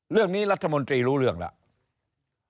เรื่องนี้รัฐมนตรีรู้เรื่องแล้ว